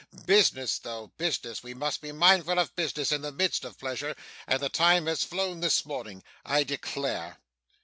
Business though business we must be mindful of business in the midst of pleasure, and the time has flown this morning, I declare.